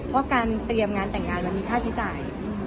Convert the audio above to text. เพราะการเตรียมงานแต่งงานมันมีค่าใช้จ่าย